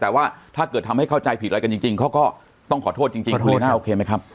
แต่ว่าถ้าเกิดทำให้เข้าใจผิดอะไรกันจริงเขาก็ต้องขอโทษจริงคุณลีน่าโอเคไหมครับ